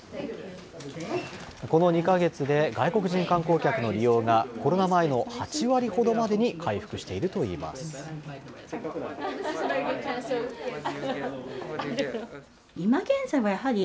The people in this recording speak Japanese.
この２か月で外国人観光客の利用が、コロナ前の８割ほどまでに回復しているといいます。